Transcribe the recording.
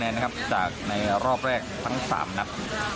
จากในรอบแรกทั้ง๓นัด